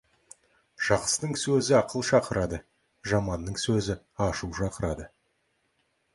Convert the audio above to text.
Жақсының сөзі ақыл шақырады, жаманның сөзі ашу шақырады.